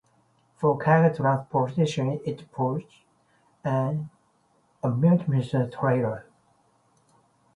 For cargo transportation it pulled an ammunition trailer.